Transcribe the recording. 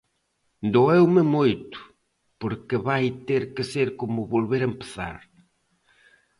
Doeume moito, porque vai ter que ser como volver empezar.